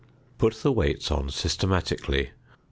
Put the weights on systematically.